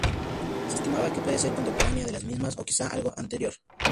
Se estima que puede ser contemporánea de las mismas, o quizá algo anterior.